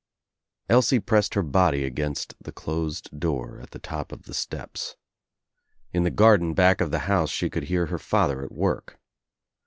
Elsie pressed her body against the closed door at the I top of the steps. In the garden back of the house she I could hear her father at work.